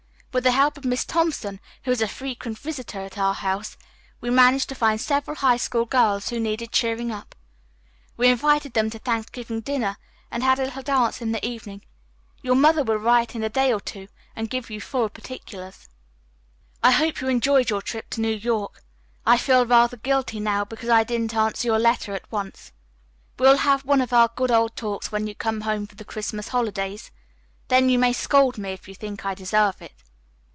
With the help of Miss Thompson, who is a frequent visitor at our house, we managed to find several high school girls who needed cheering up. We invited them to Thanksgiving dinner and had a little dance in the evening. Your mother will write in a day or two and give you full particulars. "I hope you enjoyed your trip to New York. I feel rather guilty, now, because I didn't answer your letter at once. We will have one of our good old talks when you come home for the Christmas holidays. Then you may scold me, if you think I deserve it.